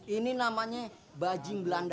ini namanya bajing belanda